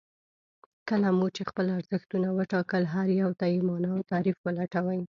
کله مو چې خپل ارزښتونه وټاکل هر يو ته يې مانا او تعريف ولټوئ.